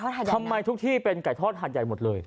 ทำไมทุกที่เป็นไก่ทอดหาดใหญ่หมดเลย